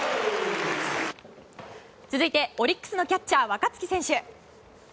続いてオリックスのキャッチャー若月選手。